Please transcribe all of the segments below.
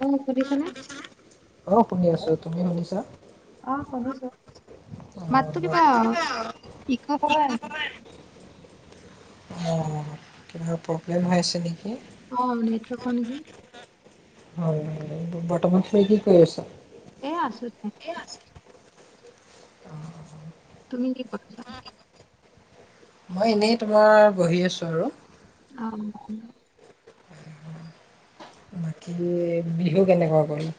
অ শুনিছা নে? অ শুনি আছো তুমি শুনিছা অ মাতটো কিবা বাট ইক' হৈ হৈ আহে অ কিবা প্ৰব্লেম হৈ আছে নেকি অ নেটৱৰ্ক নেকি হয় বৰ্তমান সেই কি কৰি আছা এ আছো তুমি কি কৰিছা মই এনেই তোমাৰ বহি আছো বাৰ আ অ' বাকী বিহু কেনেকুৱা গ'ল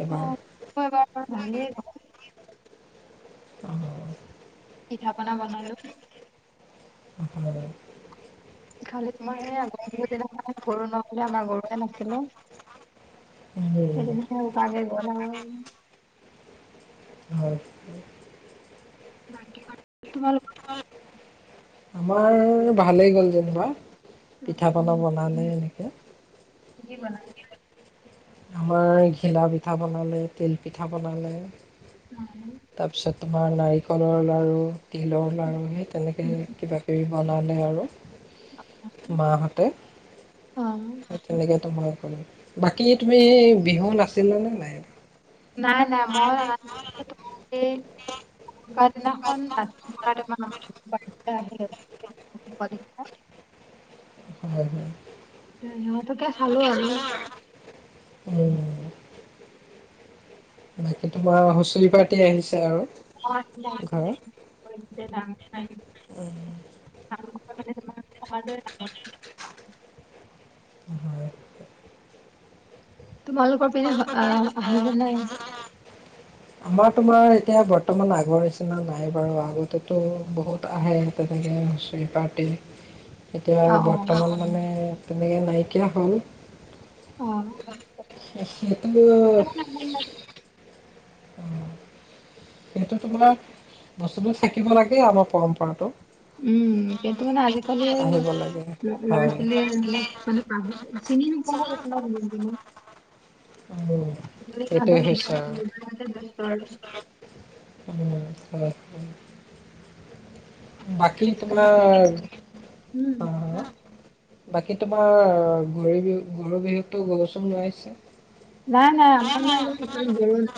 এইবাৰ অ' এইবাৰ ভালেই হ' ব অ' পিঠা পনা বনালো অ [unintelligible] খালি তোমাৰ স দিনা গৰু নহলে আমাৰ গৰুৱে নাছিলে উম সেইদিনা হে অ [unintelligible] হয় বাকি ভাল তোমাল আমাৰ ভালেই গ'ল যেনিবা পিঠা উম, পনা বনালে এনেকে কি বনালে আমাৰ ঘিলা পিঠা বনালে তিল পিঠা বনালে আৰু তাৰপিছত তোমাৰ নাৰিকলৰ লাড়ু তিলৰ লাাড়ু সেই তেনেকৈ কিবাকিবি বনালে আৰু মা সতে অ হে তেনেকে তোমাৰ বাকী তুমি এই বিহু নাচিলা নে নাই নাই নাই মল ন [unintelligible] ক নখন ন [unintelligible] [inaudible] হয় হয় সিহঁতকে চালো আৰু উ বাকী তোমাৰ হুঁচৰি পাতি আহিছে আৰু অ ঘৰত হয় না [unintelligible] তাৰ মানে তোমাৰ সমাজৰ আগত তোমালোকৰ পিনে আহ আহিছে নাই আমাৰ তোমাৰ এতিয়া বৰ্তমান আগৰ নিচিনা নাই বাৰু আগতেতো বহুত আহে তেনেকে হুচৰি পাৰটি এতিয়া অ অ বৰ্তমানত মানে তেনেকৈ নাইকিয়া হ'ল অ সেইহেত সেইটো তোমাৰ বস্তুটো থাকিব লাগে আমাৰ পৰম্পৰাতটো উম কিন্তু মানে আজিকালি আহিব লাগে ল'ৰা হয় ছোৱালীয়ে এইবিলাক মানে পাহৰি চিনি নোপোৱা হৈ গৈছে ন দিনক দিনে, উম [unintelligible] সেইটোৱে হৈছে আৰু খাল বাকী তোমাৰ উম অ বাকী তোমাৰ গৰু বিহু গৰু বিহুততো গৰুচৰু নোইছে নাই নাই আমাৰ ম খ গৰু না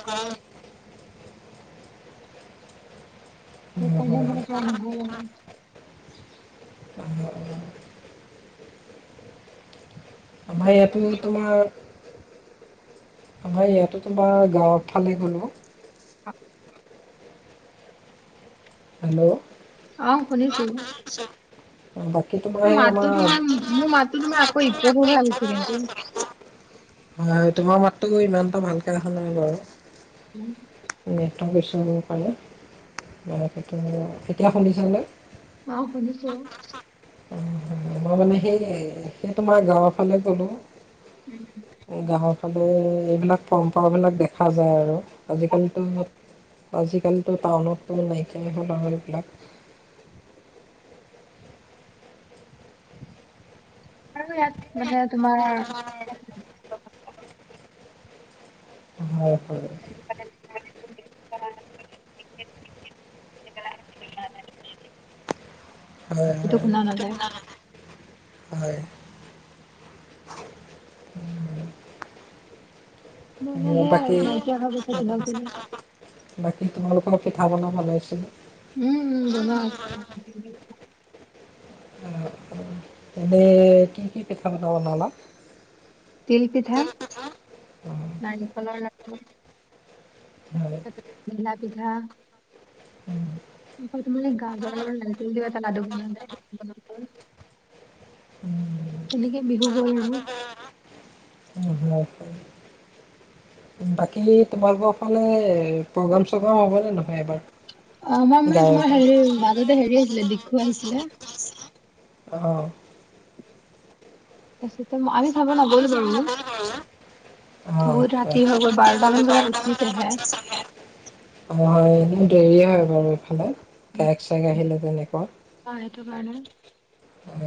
হে কাৰণে মানে কোৱা নহ'ল আৰু বাহ আমাৰ ইয়াতো তোমাৰ আমাৰ ইয়াাতো তোমাৰ গাঁৱৰ ফালে গ'লোঁ অ' হেল্ল' অ' শুনিছো অহ মাতো তোমাৰ মোৰ মাতটো তোমাৰ আকৌ ই ভে আহিছে কিন্তু আমাৰ হয় তোমাৰ মাততটো ইমানটা ভালকে আহা নাই বাৰু উম নৃত্য কৰিছো কাৰণে ম সেইটো এতিয়া শুনিছেনে অ' শুনিছো অ', মই মানে সেই সেই তোমাৰ গাঁৱৰ ফালে ক'লোঁ গাঁৱত খালে এইবিলাক পৰম্পৰাবিলাক দেখা যায় আৰু আজিকালিতো আজিকালিতো টাউনতো নাইকিয়াই হ'ল আৰু এইবিলাক আৰু ইয়াত মানে তোমাৰ অ' হয় হয় এইটো হয় শুনা নাযায় হয় মানে সেয়াই আৰু বাকী নাইকিয়া অহা পইচা তিলক তিলক বাকী তোমালোকৰ পিঠা বনোৱা ভাল ছলে উম উম বনোৱা আছে এনে কি কি পিঠা পনা বনালা তিল পিঠা নাৰিকলৰ লাৰু হয়, ঘিলা পিঠা উম, আকৌ তোমাৰ এই গাজৰৰ উম উম। কেনেকে বিহু গ'ল নো বাকী তোমালোকৰ ফালে প্ৰগ্ৰাম চগ্ৰাম হ'বনেে নহয় এবাৰ অ আমাৰ মানে গায়ক তোমাৰ অ'। অ', হেৰি মাজতে হেৰি আছিলে দেখুৱাই ছিলে আহঁ অচত আমি চাব নগল বাৰু হয়। অ', বহুত ৰাতি হৈ গ'ল বাৰটামান বজাত উঠিছেহে। দেৰিয়া হয় বাৰু এইফালে। কেৰেক চাই আহিলো। যেনেকুৱা অ' হেইটো কাৰণে। আহ।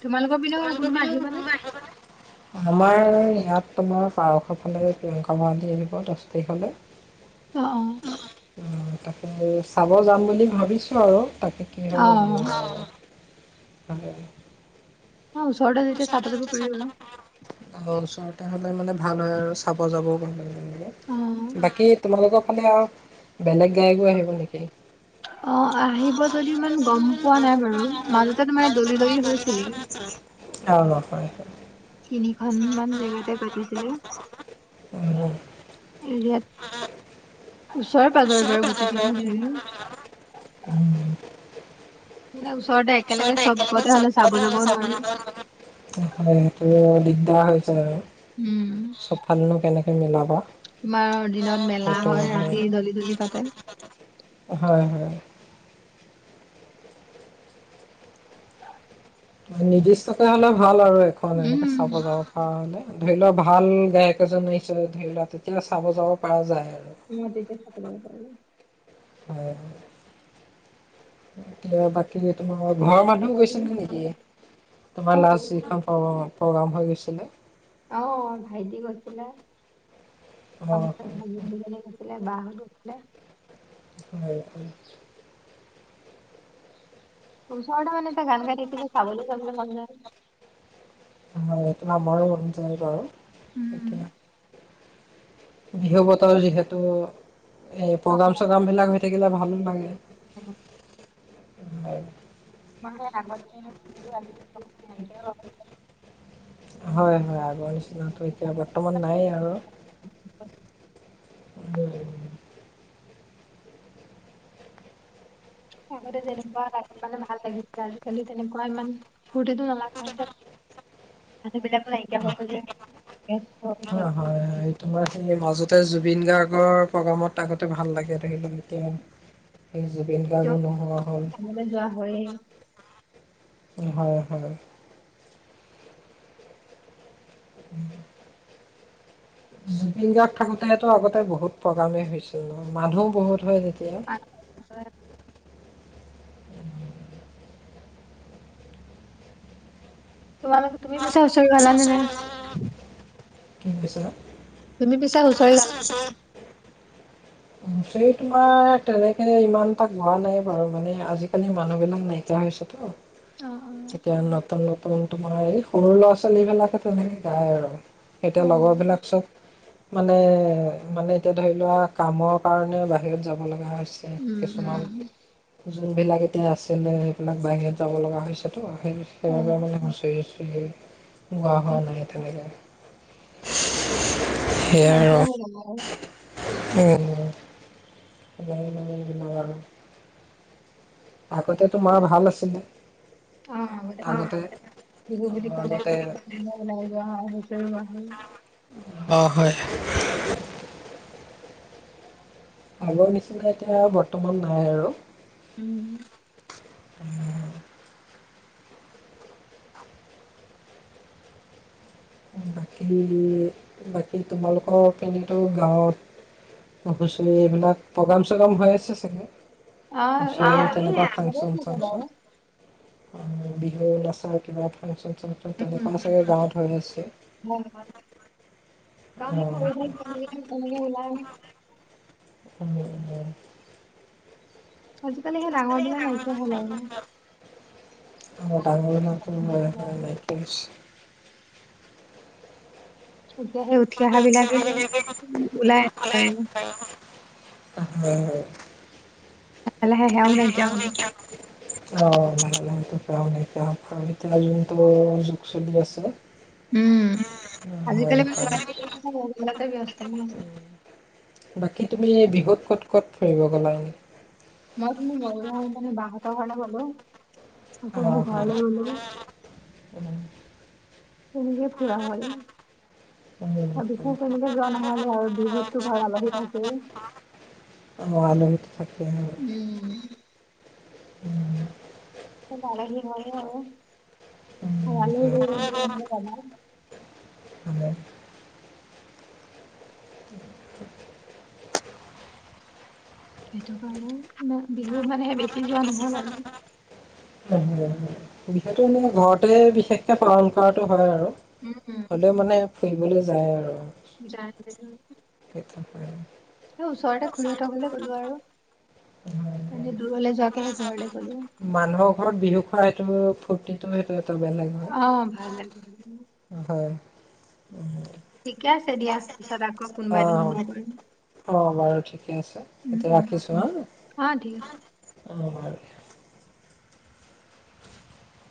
তোমালোকৰ পিনেও কোনবা আহিব নে? আমাৰ ইয়াত তোমাৰ পাৰশৰফালে প্ৰিয়ংকা ভুৱাহাটী আহনিব দহ তাৰিখলৈ। অ'অ'। তাকে চাব যাম বুলি ভাবিছোঁ আৰু তাকে কি হয় অ নাজানো আৰু। হেল্লোৱ। অ ওচৰতে [unintelligible] হয় যেতিয়া চাব চাৰ। যাব পাৰিবা তেতিয়াহ'লে মানে ভাল হয় আৰু চাব যাব অ বাকী তোমালোকক [unintelligible] বেলেগ গায়কো আহিব নেকি? অ' আহিব যদিও ইমান গম পোৱা নাই বাৰু মাজতে তোমাৰ দলি দলি হৈছিলে। অ', নহয়। তিনিখনমান জেগাতে পাতিছিলো উম উম। এৰিয়াত। ওচৰ পাজৰে বাৰো গোটেই কেইখন হৰি [inaudible] বিলাউচ্ ওচৰতে একেলগে চবতে হলে চাব নোৱাৰি যাব নোৱাৰি আহ হাইটো এ দা হৈচাৰ উম চবফাল নো কেনেকে? মিলাবা। তোমাৰ দিনত মেলা হয় ৰাতি দলি দলি পাতে। হয় হয় নিৰ্দিষ্টকে হলে ভাল আৰু। দেখন উম। এনেকে চাব যাব পৰা হ'লে। ধৰি লোৱা ভাল গায়ক এজন আহিছে ধৰি লোৱা তেতিয়া চাব যাব পৰা যায়। আৰু মই তেতিয়া চাব যাব পাৰিলো। হয় এতিয়া বাকী কিন্তু তোমাৰ ঘৰৰ মানুহো দলি- গৈছিল নে নেকি অ তোমাৰ লাজ গৈছিলো ইখন পাব প্ৰগ্ৰাম হৈ গৈছিলে। আহ ভাইটি গৈছিলে। অ আ বাহুন হয় ত চ মানেটা গান গাাটীতিিল চাবল যাবল লাল অেইটো ন আ ম কৰি য আৰু উম। এেইতিয়া বিহু বতৰ যিহেতু এই প্ৰগ্ৰাম চগ্ৰাম বিলাক হৈ থাক গিলা ভালো লাগে উম ন মে আগত য নি হয় হয় নিচিনাটো এতিয়া বৰ্তমান নাই আৰু উ আগতে যেনেকুৱা মানে ভাল লাগিছে আজিকালি তেনেকুৱা ইমান ফটিতো নালাগা হৈছে মানুহ বিলাকো নাইকিয়া অ হৈ গৈছে ব্যস্ত হৈ গৈছে আজিকালি। হয় তোমাৰ সেই মাজতে জুবিন গাৰ্গৰ প্ৰগ্ৰামত থাকোতে ভাল লাগে িল এতিয়া সেই জুবিন কিয় গাৰ্গো নোহোৱা হ'ল চাবলৈ যোৱা হয়েই হয় হয় উম জুবিন গাৰ্গ থাকোতে তটো আগতে বহুত প্ৰগ্ৰামে হৈছিল ন মানুহ বহুত হয় যেতিয়া উ ত মান তুমি পিছা উচল গাল ন নাই কি কৈছা তুমি পিছো হুঁচৰি গালা চ তোমাৰ তেনেকে ইমান এটা গোৱা নাই বাৰু মানে আজিকালি মানুহ বিলাক নাইকিয়া হৈছেতো অ তেিকে তন্নত উন্ত মান সৰু ল'ৰা ছোৱালী বিিলাকে তেনেকে গায় আৰু অ এতিয়া লগৰবিলাক চব মানে মানে এতিয়া ধৰি লোৱা কামৰ কাৰণে বাহিৰত যাব লগা হৈ উম কিছুমান উম যোনবিলাক এতিয়া আছিলে সেইবিলাক বাহিৰত যাব লগা হৈছেতো া অ মানেচৰি আ সি [inaudible] গোৱা হোৱা সেইটো নাই তাকে [unintelligible] নতিয়া হ [unintelligible] উ [unintelligible] বাক [unintelligible] আৰু আগতেতো মাৰ ভাল আছিলে অ আগতে [unintelligible] বিহু বুলি কলে আগতে ওলাই লোৱা হয় হুচৰি মাৰা হয় অঁ হয় [unintelligible] আগৰ নিচিনা এতিয়া বৰ্তমান নাই আৰু উম উ [inaudible] বাকী বাকী তোমালোকৰ পিনেতো গাঁৱত হুচৰি এইবিলাক প্ৰগ্ৰাম চগ্ৰাম হৈ আছে চাগে আহ এ হুঁচৰি তেনেকুৱা ফাংচন চাংচন [unintelligible] অ বিহু নাচা কিবা ফাংচন ত তেনেুৱা চাগে গাঁৱত হৈ আছে অ ক [unintelligible] সে [inaudible] আজিকালি সেই ডাঙৰ বিলাক নাইকিয়া হ'ল আৰু অ ডাঙৰ বিলাকৰ হয় হয় নাই [inaudible] এতিয়া সেই উঠি অহ বিলাকে হয় ওলাই আছে আৰু হ [inaudible] লাহে লাহে হেয়াও নাইকিয়া হব অ লাহে লাহে [unintelligible] নাই এতিয়া যোনটো যুগ চলি আছে উম হয় আজিকালি ম ব্য হয় [unintelligible] উম [inaudible] বাকী তুমি বিহুত ক'ত ক'ত ফুৰিব গ'লা মই তুমি ম মানে বাহতৰ ঘৰলে গলো আকৌ অ' মোৰ হয়। ঘৰলৈ গলো উম, তেনেকে ফুৰা হয় উম, আৰু হয়। বিশেষ তেনেকে যোৱা নহলে আৰু বিহুতটো ঘৰ আলহি থাকেই অ' আলহীটো থাকে হ [inaudible] উম, উম [inaudible] পালাহি হয় আৰু উম, অ আল হয়, হয়। ননেল [inaudible] আম [inaudible] [unintelligible] [unintelligible] [unintelligible] বিহু মানে বেছি যোৱা নহ'ল আৰু। যিহেতু মানে ঘৰতে বিশেষকে পালন কৰাটো হয় আৰু। উম, হ'লেও মানে ফুৰিবলৈ যায় আৰু। [inaudible] [inaudible] এ ওচৰতে ঘূৰি [unintelligible] গ'লো আৰু। হয়, হয়। এনেই দূৰলৈ যোৱাকেহে ঘৰলৈ গ'লো। মানুহৰ ঘৰত [unintelligible] হয়। অ' ভাল লাগে। হয়। ঠিকে আছে দিয়া পিছত আকৌ কোনোবা এদিন ফোন অ', কৰিম অ' বাৰু ঠিকে আছে। উম এতিয়া উম ৰাখিছো হা। অ ঠিক আছে অ' [inaudible]